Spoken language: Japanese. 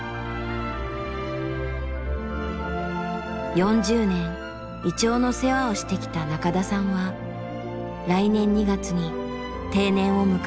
４０年銀杏の世話をしてきた中田さんは来年２月に定年を迎える。